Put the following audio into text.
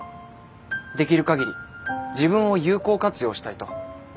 できる限り自分を有効活用したいと。